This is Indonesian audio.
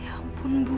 ya ampun bu